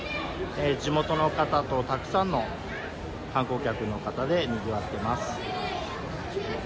地元の方とたくさんの観光客の方でにぎわっています。